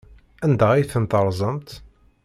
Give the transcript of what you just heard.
Anda ay tent-terẓamt?